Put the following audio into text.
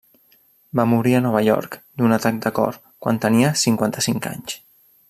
Va morir a Nova York, d'un atac de cor, quan tenia cinquanta-cinc anys.